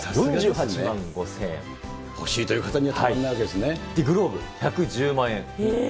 欲しいという方にはたまらなグローブ１１０万円。